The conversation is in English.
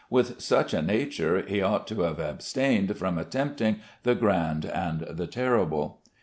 With such a nature he ought to have abstained from attempting the grand and the terrible.